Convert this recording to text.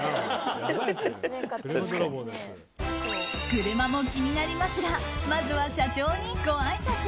車も気になりますがまずは社長にごあいさつ。